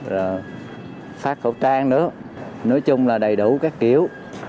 rồi phát khẩu trang nữa nói chung là đầy đủ các kiểu